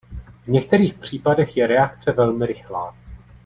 V některých případech je reakce velmi rychlá.